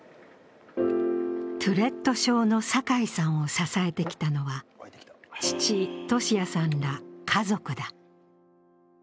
トゥレット症の酒井さんを支えてきたのは、父・富志也さんら家族だ。